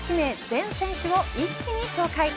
全選手を一気に紹介。